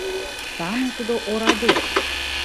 Сану тудо ораде!